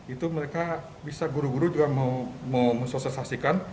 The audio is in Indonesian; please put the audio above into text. itu mereka bisa guru guru juga mau mensosialisasikan